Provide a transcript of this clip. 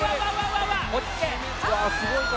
うわすごい風。